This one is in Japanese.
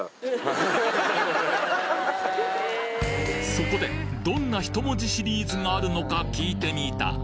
そこでどんな１文字シリーズがあるのか聞いてみた